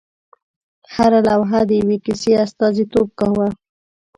هره لوحه د یوې کیسې استازیتوب کاوه.